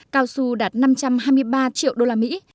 cao su đạt năm trăm hai mươi ba triệu usd